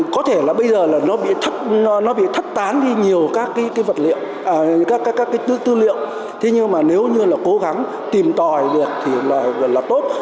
có thể là bây giờ là nó bị thất tán đi nhiều các cái vật liệu các cái tư liệu thế nhưng mà nếu như là cố gắng tìm tòi được thì là tốt